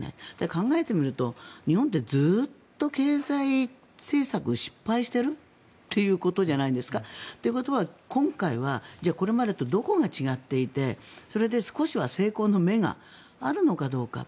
考えてみると、日本ってずっと経済政策に失敗してるということじゃないんですか。ということは、今回はじゃあこれまでとどこが違っていてそれで少しは成功の目があるのかどうか。